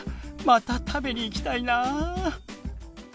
また食べに行きたいな。